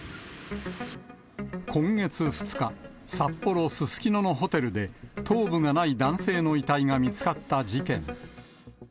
今月２日、札幌・すすきののホテルで、頭部がない男性の遺体が見つかった事件。